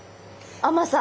甘さ。